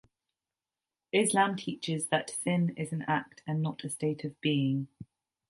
Islam teaches that sin is an act and not a state of being.